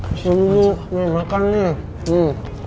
pesen buku makan nih